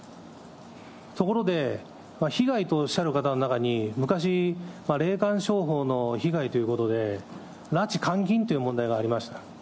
ところで、被害とおっしゃる方の中に、昔、霊感商法の被害ということで、拉致監禁という問題がありました。